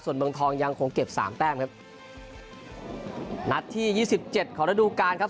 ส่วนเมืองทองยังคงเก็บสามแต้มครับนัดที่ยี่สิบเจ็ดของระดูการครับ